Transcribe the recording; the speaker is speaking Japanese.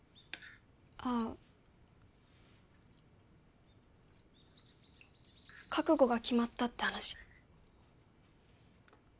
ああ覚悟が決まったって話